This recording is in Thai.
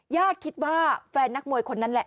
ญาติคิดว่าแฟนนักมวยคนนั้นแหละ